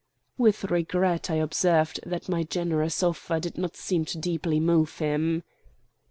With regret I observed that my generous offer did not seem to deeply move him.